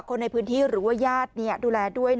ต้องถึงดูแลเพื่อรุ่ญ่าด